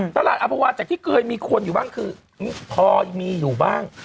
ตลาดอัภาวะจากที่เคยมีคนอยู่บ้างคือพอมีอยู่บ้าง